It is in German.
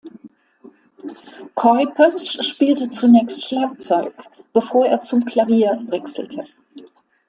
Cuypers spielte zunächst Schlagzeug, bevor er zum Klavier wechselte.